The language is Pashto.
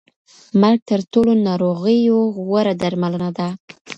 مرګ تر ټولو ناروغیو غوره درملنه ده.